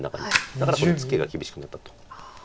だからこそツケが厳しくなったと。